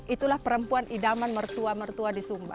itulah perempuan idaman mertua mertua di sumba